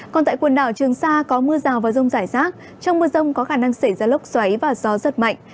còn tại quần đảo trường sa có mưa rào và rông rải rác trong mưa rông có khả năng xảy ra lốc xoáy và gió giật mạnh